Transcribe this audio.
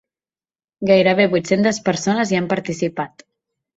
Gairebé vuit-centes persones hi han participat.